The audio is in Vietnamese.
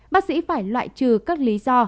bác sĩ phải loại trừ các lý do